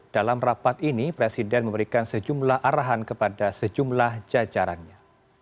dalam rapat ini presiden memberikan sejumlah arahan kepada sejumlah jajarannya